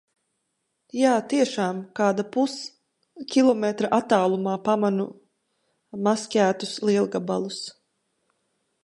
Jā, tiešām, kāda puskilometra attālumā pamanu maskētus lielgabalus.